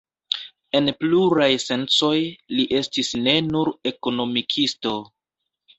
En pluraj sencoj li estis ne nur ekonomikisto.